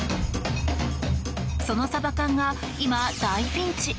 そのサバ缶が今、大ピンチ！